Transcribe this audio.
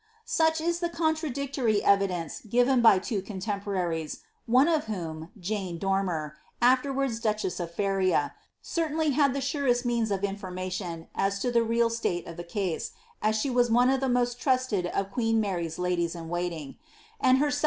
"* Such is the contradictory evidence given by two contemporaries, one pf whom, Jane Dormer, afterwards duchess of Feria, certainly had the *ure5t means of information as to the real state of the case, as she was one of the most trusted of queen Mary's ladies in waiting ; and her sub ^M"^.